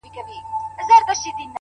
ته ټيک هغه یې خو اروا دي آتشي چیري ده ـ